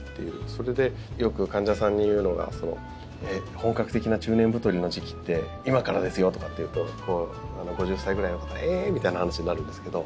それで、よく患者さんに言うのが本格的な中年太りの時期って今からですよとか言うと５０歳くらいの方はええみたいな話になるんですけど。